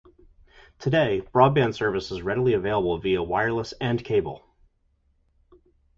Today, broadband service is readily available via wireless and cable.